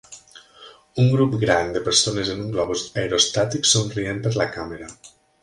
Un grup gran de persones en un globus aerostàtic somrient per la càmera.